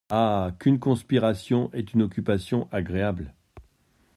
Ah ! qu’une conspiration est une occupation agréable !